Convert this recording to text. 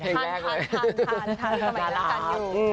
ทานทาน